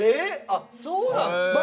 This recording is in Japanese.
あっそうなんですか。